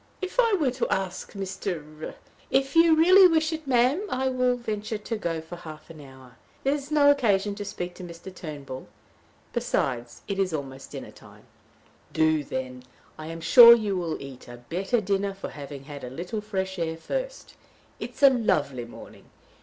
If I were to ask Mr. " "If you really wish it, ma'am, I will venture to go for half an hour. There is no occasion to speak to Mr. Turnbull. Besides, it is almost dinner time." "Do, then. I am sure you will eat a better dinner for having had a little fresh air first. It is a lovely morning.